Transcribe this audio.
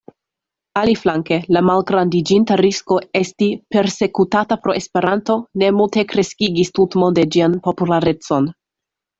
Aliflanke, la malgrandiĝinta risko esti persekutata pro Esperanto, ne multe kreskigis tutmonde ĝian popularecon.